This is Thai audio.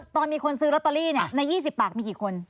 ตอนมีคนซื้อลอตเตอรี่ใน๒๐ปากมีกี่คน